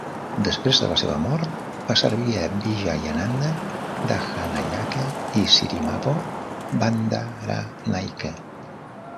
Després de la seva mort, va servir a Vijayananda Dahanayake i Sirimavo Bandaranaike.